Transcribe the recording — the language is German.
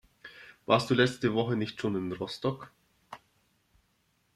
Warst du letzte Woche nicht schon in Rostock?